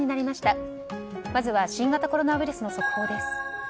まずは新型コロナウイルスの速報です。